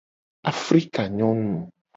Afrikanyonu!